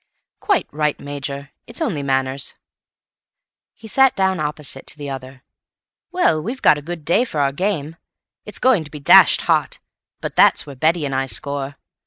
"Quite right, Major; it's only manners." He sat down opposite to the other. "Well, we've got a good day for our game. It's going to be dashed hot, but that's where Betty and I score.